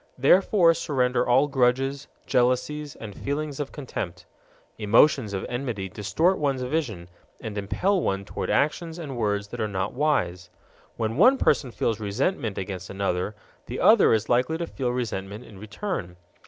Therefore surrender all grudges, jealousies, and feelings of contempt. Emotions of enmity distort one's vision and impel one toward actions and words that are not wise. When one person feels resentment against another, the other is likely to feel resentment in return.